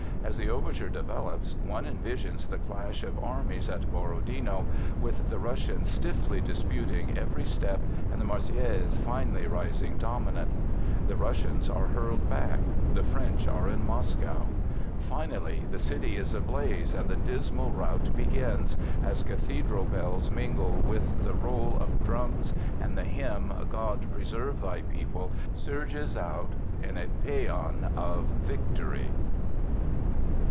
As the overture develops, one envisions the clash of arms at Borodino, with the Russians stiffly disputing every step and the Marseillaise finally rising dominant. The Russians are hurled back; the French are in Moscow. Finally the city is ablaze and the dismal rout begins, as cathedral bells mingle with the roll of drums and the hymn, God Preserve Thy People, surges out in a paean of victory.